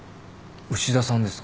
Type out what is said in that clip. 牛田さんですか？